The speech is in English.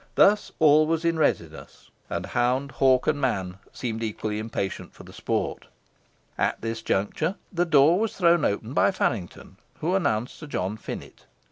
Thus all was in readiness, and hound, hawk, and man seemed equally impatient for the sport. At this juncture, the door was thrown open by Faryngton, who announced Sir John Finett.